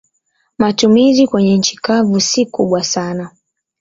Matumizi kwenye nchi kavu si kubwa sana.